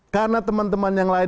karena teman teman yang lain